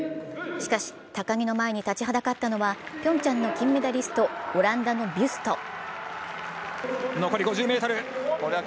しかし、高木の前に立ちはだかったのは、ピョンチャンの金メダリスト、オランダのビュスト。